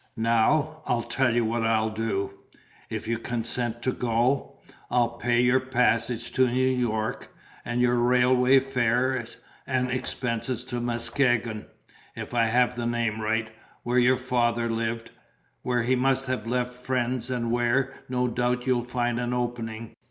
Now, I'll tell you what I'll do: if you consent to go, I'll pay your passage to New York, and your railway fare and expenses to Muskegon (if I have the name right) where your father lived, where he must have left friends, and where, no doubt, you'll find an opening.